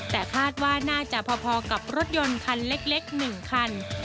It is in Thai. แต่คาดว่าน่าจะพอกับรถยนต์คันเล็ก๑คัน